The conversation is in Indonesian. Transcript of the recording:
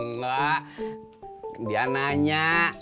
nggak dia nanya